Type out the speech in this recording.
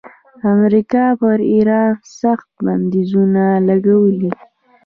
امریکا پر ایران سخت بندیزونه لګولي.